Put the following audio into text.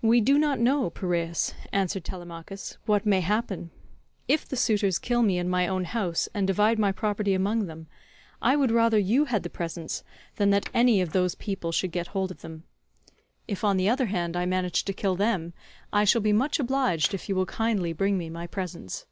"We do not know, Piraeus," answered Telemachus, "what may happen. If the suitors kill me in my own house and divide my property among them, I would rather you had the presents than that any of those people should get hold of them. If on the other hand I managed to kill them, I shall be much obliged if you will kindly bring me my presents."